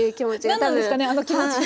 なんなんですかねあの気持ちってね。